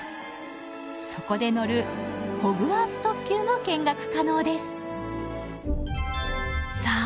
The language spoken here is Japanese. そこで乗るホグワーツ特急も見学可能ですさあ